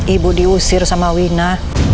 ibu diusir sama wina